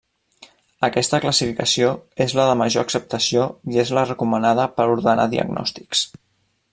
Aquesta classificació és la de major acceptació i és la recomanada per ordenar diagnòstics.